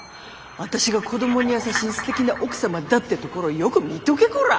私が子どもに優しいすてきな奥様だってところをよく見とけコラ。